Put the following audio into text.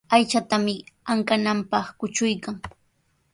Aychatami ankananpaq kuchuykan.